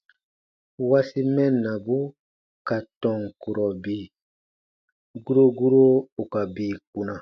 - wasi mɛnnabu ka tɔn kurɔ bii : guro guro ù ka bii kpuna.